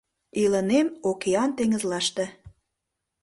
Илынем океан-теҥызлаште.